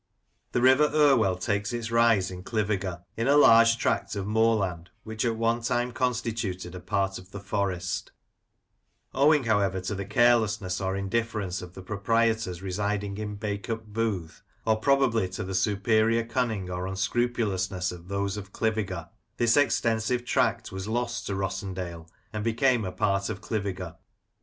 The River Irwell takes its rise in Cliviger, in a large tract of moorland, which at one time constituted a part of the Forest Owing, however, to the carelessness or indifference of the proprietors residing in Bacup Booth, or probably to the superior cunning or unscrupulousness of those of Cliviger, this extensive tract was lost to Rossendale and became a part of Cliviger.